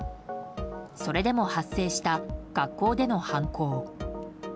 それでも発生した学校での犯行。